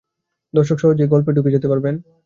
দর্শক সহজেই গল্পে ঢুকে যেতে পারবেন।